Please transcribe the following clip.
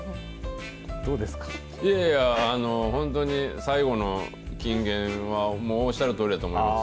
本当に、最後の金言はおっしゃるとおりだと思います。